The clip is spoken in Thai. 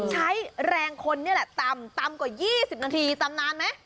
ใช้แรงคนนี่แหละตำกว่า๒๐